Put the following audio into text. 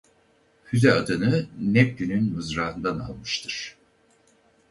Füze adını Neptün'ün mızrağından almıştır.